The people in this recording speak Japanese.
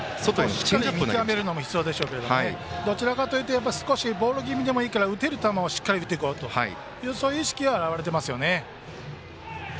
しっかり見極めるのも必要でしょうけどどちらかというと少しボール気味でもいいから打てる球を打っていこうとそういう意識は表れていますね。